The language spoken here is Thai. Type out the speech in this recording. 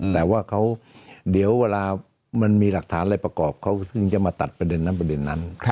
แต่ว่าเขาเดี๋ยวเวลามันมีหลักฐานอะไรประกอบเขาถึงจะมาตัดประเด็นนั้นประเด็นนั้น